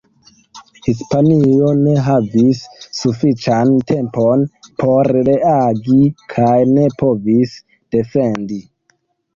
Hispanio ne havis sufiĉan tempon por reagi, kaj ne povis defendi.